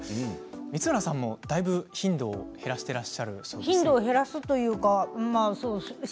光浦さんもだいぶ頻度を減らしてらっしゃるそうですね。